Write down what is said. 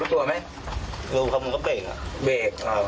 ลุดมันก็เบรคค่ะอ๋อเบรคอ๋อ